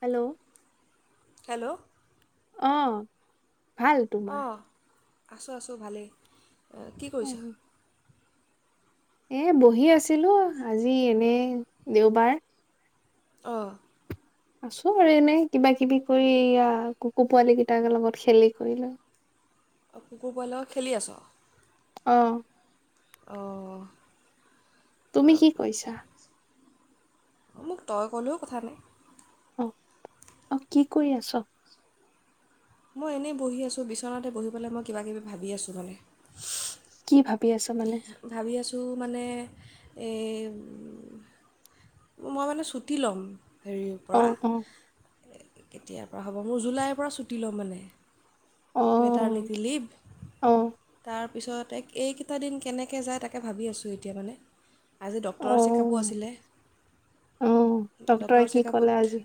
Hello. Hello. অ'। ভাল তোমাৰ। অঁ আছোঁ আছোঁ ভালেই। অ', কি কৰিছা? এই বহি আছিলোঁ, আজি এনেই দেওবাৰ। অ'। আছোঁ আৰু এনেই, কিবা কিবি কৰি কুকুৰ পোৱালি কেইটাৰ লগত খেলি কৰি লৈ। অ', কুকুৰ পোৱালিৰ লগত খেলি আছ? অহ। অহ। তুমি কি কৰিছা [inaudible] মোক তই ক'লেও কথা নাই। অহ, অ', কি কৰি আছ? মই এনেই বহি আছোঁ, বিচনাতেই বহি পেলাই মই কিবাকিবি ভাবি আছোঁ মানে। কি ভাব ভাবি আছোঁ মানে এই মই মানে চুটি ল'ম। হেৰিৰ অ পৰা। অ কেতিয়াৰ পৰা হ'ব! মোৰ জুলাইৰ পৰা ছুটি ল'ম মানে। অ মেটাৰনিটি লিভ, অ তাৰ পিছত এইকেইটা দিন কেনেকৈ যায়, তাকেই ভাবি আছোঁ এতিয়া মানে। আজি অ ডক্তৰৰ চেকআপো আছিলে, অ ডক্তৰে ডক্তৰৰ কি ক'লে চেকআপত আজি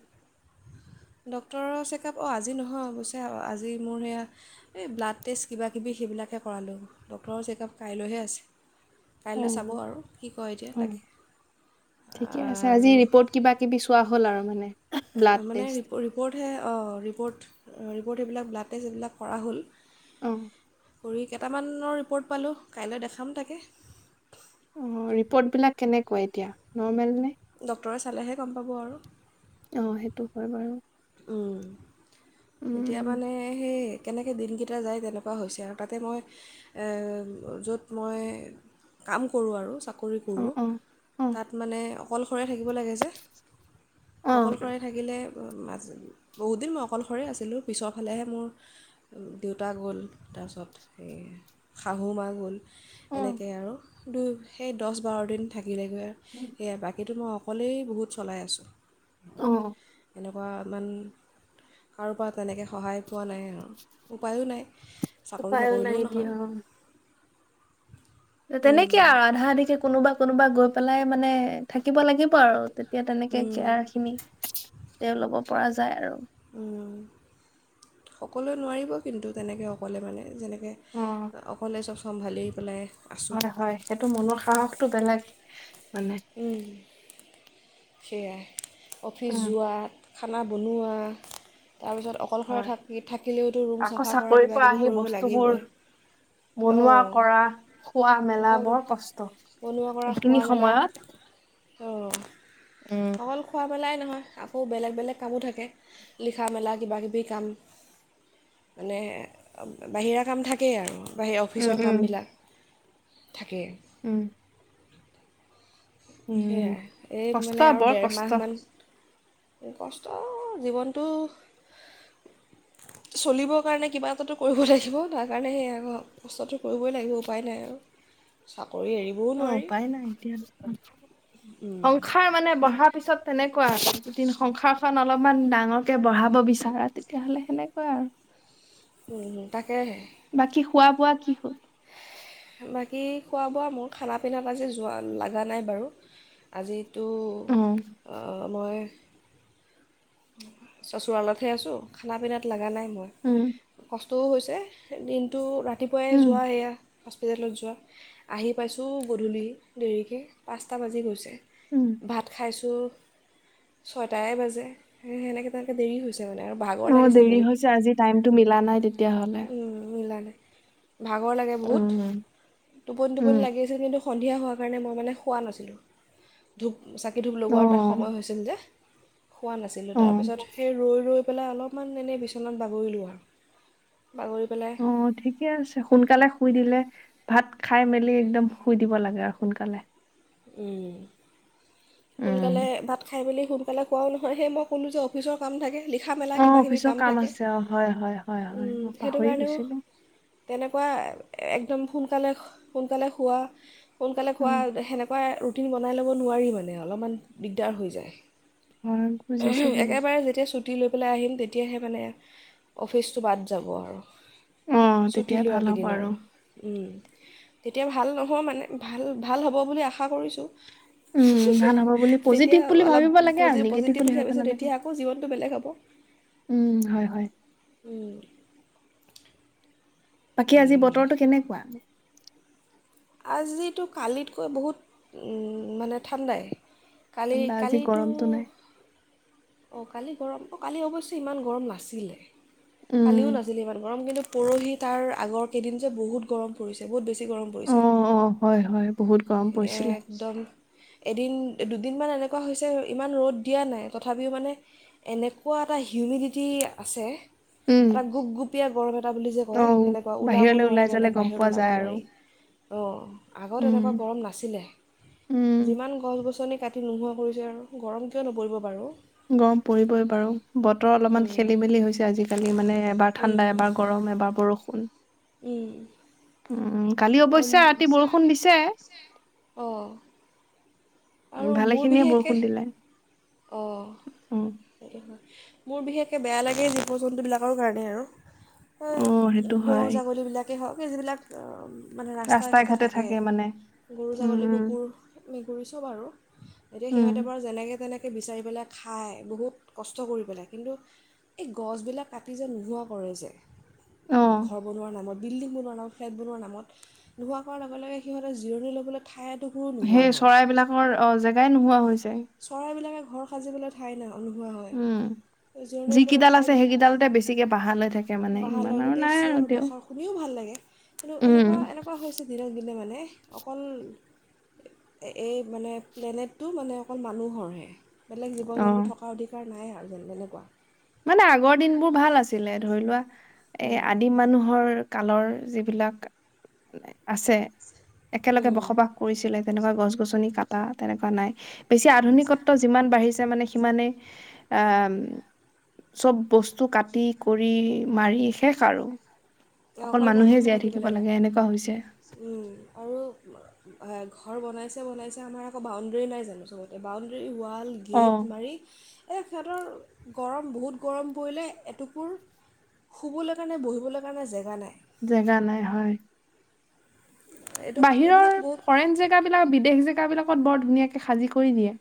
ডক্তৰৰ চেকআপ অ', আজি নহয়, অৱশ্যে আজি মোৰ সেইয়া এই ব্লাড টেষ্ট, কিবা কিবি, সেইবিলাকহে কৰালোঁ, ডক্টৰৰ চেকআপ কাইলৈহে আছে। কাইলৈ চাব অ', আৰু কি কয় এতিয়া তাকে অ'। ঠিকেই আছে আজি আৰু ৰিপৰ্ট কিবা কিবি চোৱা হ'ল আৰু! মানে ব্লাড মানে টেষ্ট ৰিপ-ৰিপ-ৰিপৰ্টহে, অ', ৰিপৰ্ট ৰিপৰ্ট এইবিলাক ব্লাডটেষ্ট এইবিলাক কৰা হ'ল। অ'। কৰি় কেইটামানৰ ৰিপৰ্ট পালোঁ, কাইলৈ দেখাম তাকে। অ', ৰিপৰ্টবিলাক কেনেকুৱা এতিয়া? নৰ্মেল নে? ডক্তৰে চালেহে গম পাব আৰু। অ' সেইটো হয় বাৰু। উম। এতিয়া উম মানে সেই কেনেকৈ দিনকেইটা যায় তেনেকুৱা হৈছে আৰু তাতে মই য'ত মই কাম কৰোঁ আৰু কৰি উম ফুৰো অ অ অ তাত মানে, অকলশৰে থাকিব লাগে যে। অকলশৰেই থাকিলে মাজ, বহুতদিন মই অকলশৰে আছিলোঁ পিছৰফালেহে মোৰ দেউতা গ'ল তাৰপিছত শাহু মা গ'ল, অ অ এনেকেই আৰু দু সেই দছ বাৰ দিন থাক কিলে গৈ আৰু সেয়া বাকীটো মই অকলেই বহুত চলাই আছোঁ। অঁ। এনেকুৱা ইমান কাৰোপৰা তেনেকে সহায় পোৱা নাই আও, উপায়ো নাই। চাকৰি উপায়ো নকৰিলেও নাই নহয় দিয়ক তেনেকে আৰু আধা আধিকে কোনোবা কোনোবা গৈ পেলাই মানে থাকিব লাগিব আৰু তেনে এতিয়া তেনেকে কেয়াৰ খিনি তেওঁ ল'ব পৰা যায় আৰু সকলোৱে নোৱাৰিব কিন্তু তেনেকৈ অকলে মানে যেনে অ অকলেই চব চম্ভালি পেলাই আছোঁ হয় হয় সেইটো মনৰ সাহসটো বেলেগ। মানে উম। সেয়াই। অফিচ উম যোৱা খানা বনোৱা তাৰপিছত অকলশৰে হয় থাকি থাকিলেওতো ৰুম আকৌ চাফা কৰা চাকৰিৰ কিব পৰা কিবি আহি কৰিব বস্তুবোৰ লাগিবই বনোৱা অঁ। কৰা খোৱা মেলা অকল বৰ কষ্ট এইখিনি সময়ত অ উম অকল খোৱা পেলাই ন আকৌ বেলেগ বেলেগ কামো থাকে লিখা মেলা কিবাকিবি কাম, মানে বাহিৰা কাম থাকেই আৰু। বাহে উম অফিচৰ উম কামবিলাক। থাকে উম, উম সেয়াই, এই কষ্ট মানে আৰু বৰ ডেৰ কষ্ট মাহমান- কষ্ট জীৱনটো। চলিব কাৰণে কিবা এটাতো কৰিব লাগিব, তাৰ কাৰণে সেয়া আকৌ কষ্টটো কৰিবই লাগিব, উপায় নাই আৰু। চাওক- অ হউপাই নাই এতিয়া- সংসাৰ মানে বঢ়া পিছত তেনেকুৱা, যদি সংসাৰখন অলপমান ডাঙৰকে বঢ়াব বিচাৰা তেতিয়াহ'লে সেনেকুৱা আৰু। উম, তাকে। খোৱা-বোৱা কি হ'ল? বাকী খোৱা-বোৱা মোৰ খানা-পিনাত আজি জোঁৱা লাগা নাই বাৰু। আজি- তু অ আ মই চচুৰালতহে আছোঁ, খানা পিনাত লগা নাই। মই উম কচ- তু হৈছে, দিনটো ৰাত তিপুৱাই উম যোৱা এয়া। হস্পিটালত যোৱা। আহি পাইছোঁ গধূলি দেৰিকে। পাঁচটা বাজি গৈছে। উম ভাত খাইছোঁ- ছয়টাই বাজে। সৈ সেনেকে তেনেকে দেৰি হৈ অহ, দেৰি হৈছে, আজি টাইমতটো মিলা নাই তেতিয়া। উম মিলা নাই। ভাগৰ লাগে বহুত, উম টোপনি উম টোপনি লাগি আছিল, কিন্তু সন্ধিয়া হোৱাৰ কাৰণে মই মানে শোৱা নাছিলোঁ। ধূপ- চাকি-ধূপ অ লগোৱাৰ এটা সময় হৈছিল যে। শোৱা নাছিলোঁ, অ তাৰপিছত সেই ৰৈ ৰৈ- পেলাই অলপমান এনেই বিচনাত বাগৰিলোঁ আৰু। বাগৰি পেলাই অহ ঠিকে আছে, সোনকালে শুই দিলে ভাত- খাই-মেলি একদম শুই দিব লাগে আৰু সোনকালে। উম। উম। সোনকালে ভাত খাই বুলি- সোনকালে শুৱাও নহয়, সেই মই কলোঁ যে, অফিচৰ কাম থাকে। লিখা মেলা অহ, কিবাকিবি অফিচৰ কাম থাকে আছে, অ হয় হয় হয় হয়। মই সেইটো পাহৰি কাৰণেও গৈছিলোঁ। তেনেকুৱা এ একদম সোনকালে স, সোনকালে শুৱা সোনকালে শুৱা, উম এ সেনে কে ৰুটিন বনাই ল'ব নোৱাৰি মানে, অলপমান দিগদাৰ হৈ যায়। হয় বুজিছো এহে, বুজিছো একেবাৰে যেতিয়া চুত- টি লৈ পেলাই আহিল তেতিয়াহে মানে অফিচটো বাদ যাব আৰু। অ', ছুটি তেতিয়াই লোৱা ভাল হ'ব কেইদিন আৰু উম। তেতিয়া ভাল নহওঁ মানে ভাল ভাল হ'ব বুলি আশা শা কৰিছোঁ। উম, ভাল হ'ব বুলি যেতিয়া পজিটিভ বুলি অলপ ভাবিব লাগে আৰু নিগেটিভ পজি-পজিটিভ বুলি ভাবিব ভাবিছো নালাগে। তেতিয়া আকৌ জীৱনটো বেলেগ হ'ব। উম, হয়, হয়। বাকী উম, আজি উম। বতৰটো কেনেকুৱা? আজিতো কালিতকৈ বহুত উম, মানে ঠাণ্ডাই। কালি ঠাণ্ডা আজি কালিটো গৰমটো নাই। অ কালি গৰম, কালি অৱশ্যে ইমান গৰম নাছিলে। উম, কালিও নাছিলে ইমান গৰম কিন্তু পৰহি তাৰ আগৰ কেইদিন যে, বহুত গৰম পৰিছে, বহুত বেছি গৰম পৰিছে অ', অ', হয় হয়, বহুত গৰম পৰিছিলে। একদম এদিন দুদিনমান এনেকুৱা হৈছে ইমান ৰ'দ দিয়া নাই, তথাপিও মানে এনেকুৱা এটা হিউমিডিটি আছে। উম, এটা গুপগুপীয়া [unintelligible] কটা বুলি যে কয় অ', সেনেকুৱা, ওলাব বাহিৰলৈ নোৱাৰি ওলাই মানে যালে গম বাহিৰত পোৱা ওলাব যায় আৰু। নোৱাৰি। অ', আগত উম, এনেকুৱা গৰম নাছিলে, উম। যিমান গছ গছনি কাটি নোহোৱা কৰিছে আৰু, গৰম কিয় নপৰিব বাৰু। গৰম পৰিবই বাৰু বতৰ অলপমান উম, খেলি মেলি হৈছে আজিকালি মানে এবাৰ ঠাণ্ডা, উম, এবাৰ গৰম, এবাৰ বৰষুণ। উম। উ। কালি আৰু অৱশ্যে ৰাতি বৰষুণ দিছে। অঁ উ ভালেখিনিয়ে বৰষুণ দিলে। অ'। উম, মোৰ বিশেষকে বেয়া লাগে জীৱ জন্তুবিলাকৰ কাৰণে আৰু। অ', সেইটো গৰু হয়। ছাগলীবিলাকেই হওক যিবিলাক অ' মানে ৰাস্তায়ে ঘাটে থাকে। গৰু, উম ছাগলী, উম কুকুৰ, মেকুৰী চব আৰু এতিয়া উম সিহঁতে বাৰু যেনেকে তেনেকে সেই বিচাৰি পেলাই খায়। বহুত কষ্ট কৰি পেলাই, কিন্তু এই গছবিলাক কাটি যে নোহোৱা কৰে যে অ ঘৰ বনোৱাৰ নামত। বিল্ডিং বনোৱাৰ নামত ফ্লেট বনোৱাৰ নামত নোহোৱা কৰোৱাৰ লগে লগে সিহঁতে জিৰণি ল'ব ঠাই এটুকুৰো নোহোৱা সেই চৰাইবিলাকৰ অ', জেগাই নোহোৱা হৈ চৰাই বিলাকে ঘৰ সাজিবলৈ ঠাই নাই। নোহোৱা হয়। উম জিৰণি লবলৈ যিকেইডাল ঠাই আছে সেইকেইডালতে বেছিকে বাহা লৈ থাকে মানে ভাল ইমান হয় আৰু গোটেই নাই আৰু চিঞৰ তেওঁ বাখৰ শুনিও ভাল লাগে কিন্তু এনেকুৱা উম এনেকুৱা হৈছে দিনক দিনে। এ অকল, এই মানে প্লেনেটটো মানে অকল মানুহৰহে। বেলেগ অ জীৱ-জন্তু থকা অধিকাৰ নাই আৰু। আৰু যেন তেনেকুৱা। মানে আগৰ দিনবোৰ ভাল আছিলে ধৰি লোৱা। এ উম, আদিম মানুহৰ কালৰ যিবিলাক, আছে। একেলগে উম, বসবাস কৰিছিলে। তেনেকুৱা গছ-গছনি কাটা তেনেকুৱা নাই। বেছি আধুনত্ব যিমান বাঢ়িছে মানে সিমানেই অহ, চব বস্তু কাটি, কুৰি, মাৰি শেষ আৰু। অ', অকল মানুহে মানুহহে জীয়াই থাকিব লাগে, এনেকুৱা হৈছে উম, আৰু ঘৰ বনাইছে-বনাইছে আমাৰ আকৌ বাউণ্ডেৰী নাই জানোঁ চবতে বাউণ্ডৰী ৱাল, অ গেট মাৰি এহ সিহঁতৰ, গৰম বহুত গৰম পৰিলে এটুকুৰ, শুবলে কাৰণে বহিবলে কাৰণে জেগা জেগা নাই। জেগা নাই হয়। এইটো বাহিৰৰ, এইবিলাক বহুত ফ'ৰেন জেগাবিলাক বিদেশ জেগাবিলাক [unintelligible] বৰ ধুনীয়াকে সাজি কৰি দিয়ে,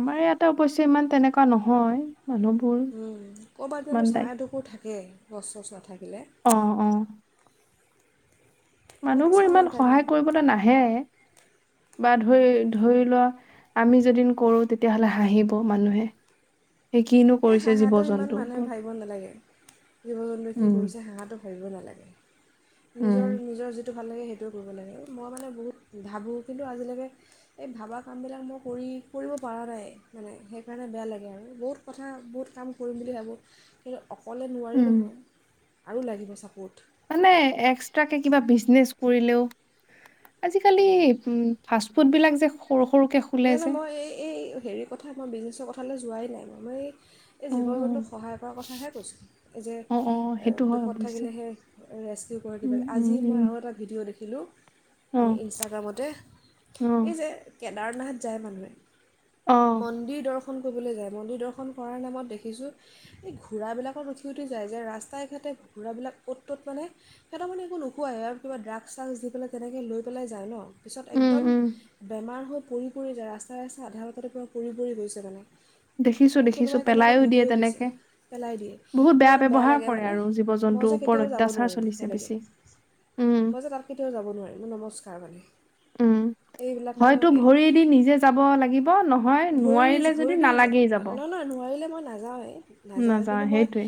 আমাৰ ইয়াতে অবশ্যে ইমান তেনেকুৱা নহয়। মানুহবোৰ ক'ৰবাত জানো ইমান চা দায় এদুকুৰ থাকে, গচ চচ নাথাকিলে। অ অ ক'তো মানুহবোৰ ছাঁ ইমান নাথাকে সহায় কৰিবলৈ নাহে। বা ধৰি-ধৰি লোৱা, আমি যদি কৰোঁ তেতিয়াহ'লে হাঁহিব মানুহে। সেই কিনো এহ কৰিছে জীৱ হাঁহাটো ইমান জন্তুৰ মানুহে ওপৰত ভাবিব নালাগে, জীৱ-জন্তুৱে কি উম কৰিছে হাঁহাটো ভাবিব নালাগে। উম নিজৰ, নিজৰ যিটো ভাল লাগে সেইটোৱে কৰিব লাগে, মই মানে বহুত ভাবোঁ কিন্তু আজিলৈকে, এই ভবা কামবিলাক মই কৰি কৰিব পৰা নাই মানে সেইকাৰণে বেয়া লাগে আৰু বহুত কথা বহুত কাম কৰিম বুলি ভাবোঁ, কিন্তু অকলে নোৱাৰি উম নহয়। আৰু লাগিব চাপৰ্ট মানে এক্সট্ৰাকে কিবা বিজনেচ কৰিলেও আজিকালি ফাষ্ট ফুড বিলাক যে সৰু সৰুকে খোলে মানে যে। মই এই এই হেৰি কথা মই বিজনেছৰ কথালৈ যোৱাই নাই মই মই এই অ', জীৱ জন্তুৰ সহায় তাৰ কথাহে কৈছো এই যে অ', অ', অ', সেইটো হয় দুখত অৱশ্যে। থাকিলেহে ৰেস্কিউ কৰি উম, দিবাগ উম, আজি উম, মই আৰু এটা ভিডিঅ' দেখিলোঁ এই অ', ইনষ্টাগ্ৰামতে অ', এই যে এদাৰনাথত যায় মানুহে অ', মন্দিৰ দৰ্শ দৰ্শন কৰিবলৈ যায় মন্দিৰ দৰ্শন কৰাৰ নামত দেখিছোঁ এই ঘোঁৰাবিলাকত উঠি উঠি যায় যে ৰাস্তাই এ ঘাটে ঘঁৰাবিলাক ক'ত ত'ত মানে সিহঁতৰ মানে একো নোুখোৱে আৰু কিবা ড্ৰাগছ চাগ দি পেলাই তেনেকৈ লৈ পেলাই যায় ন পিছত উম, একদম উম, বেমাৰ হৈ পৰি পৰি যায় ৰাস্তা ৰাস্তা আধা বজতে পৰা পৰি পৰি গৈছে মানে দেখিছোঁ দেখিছোঁ কোনোবাই তেনেকে পেলাইও দিয়ে ভিডিঅ' দিছে, তেনেকে। পেলাই দিয়ে, বহুত ইমান বেয়া ব্যৱহাৰ লাগে কৰে মানে। আৰু জীৱ মই জন্তুৰ যে ওপৰত কেতিয়াও যাব অত্যাচাৰ নোৱাৰিম চলিছে তেনেকে, বেছি। উম, মই যে তাত কেতিয়াও যাব নোৱাৰিম, নমস্কাৰ মানে। উম। এইবিলাক মই হয়তো ভৰি নিজে যাব লাগিব নহয়, ভৰি নোৱাৰিলে যদি নালাগেই যাব। নাজাৱে নাযান সেইটোৱে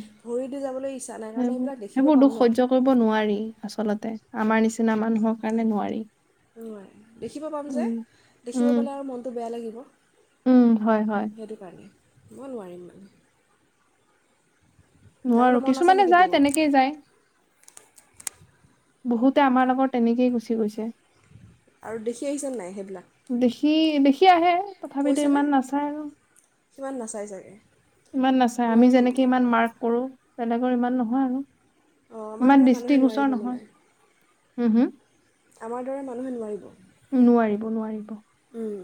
যাবলৈ ইচ্ছা নাই কাৰণ সেইবোৰ এইবিলাক দেখিব সেইবোৰ পাম দুখ ন সহ্য কৰিব নোৱাৰি আচলতে আমাৰ নিচিনা মানুহক [unintelligible] কাৰণে নোৱাৰি। ন দেখিব পাম যে উম দেখিব উম পালে আৰু মনটো বেয়া লাগিব উম, হয়, হয়। সেইটো কাৰণে ক'ই নোৱাৰিম মানে যাবলৈ নোৱাৰো, মন আছে কিছুমানে নেকি যায় তোৰ তেনেকেই যায়। বহুতে আমাৰ লগত তেনেকেই গুচি গৈছে। আৰু দেখি আহিছে নাই, সেই দেখি বখি কৈছেনে কিমান নাচাই চাগৈ ইমান নাচাই আমি যেনেকে ইমান মাৰ্ক কৰো। বেলেগৰ ইমান নহয় অঁ আৰু। আমাৰ ইমান দৰে মানুহে নোৱাৰিব দৃষ্টিগোচৰ মানে নহয় হম-হম। আমাৰ দৰে মানুহে নোৱাৰিব। নোৱাৰিব নোৱাৰিব উম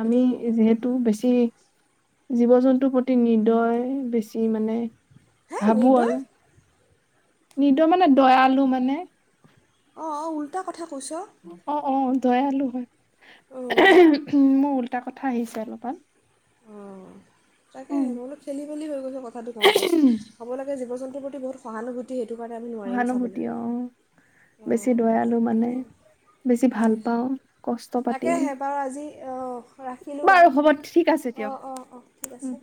আমি এইটো যিহেতু বেছি ে জীৱ জন্তুৰ প্ৰতি নিৰ্দয় বেছি মানে হে ভাবোঁ নিৰ্দয় আৰু নিদৌ মানে দয়া আলু মানে অ', উল্টা ক কথা কৈছ। অ', অ', দয়ালু হয়। অঁ মূল দুটা কথা আহিছে অলপমান। উম তাকেহে মই উম, বোলহ অলপ খেলি মেলি হৈ গৈছে কথাটো কওঁতে হ'ব লাগে জীৱ জন্তু প্ৰতি বহুত সহানুভতি সহানুভূতি অ'। বেছি অঁ দয়ালো মানে সেয়াই বেছি ভাল পাওঁ কষ্ট পাতি তাকেহে বাৰু আজি অঁ ৰাখিলোঁ বাৰু হ'ব ঠিক আছে দিয়ক অঁ অঁ অঁ ঠিক আছে